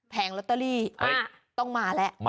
ลอตเตอรี่ต้องมาแล้ว